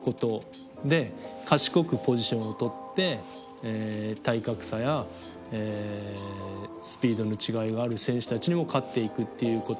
で賢くポジションをとって体格差やスピードの違いがある選手たちにも勝っていくっていうこと。